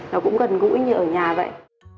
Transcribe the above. nó cũng gần gũi như ở nhà vậy